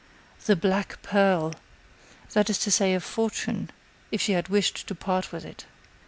The black pearl! That is to say a fortune, if she had wished to part with it.